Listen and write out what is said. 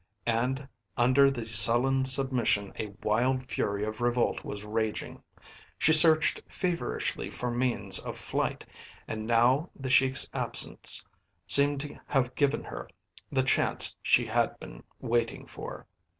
And under the sullen submission a wild fury of revolt was raging. She searched feverishly for means of flight, and now the Sheik's absence seemed to have given her the chance she had been waiting for.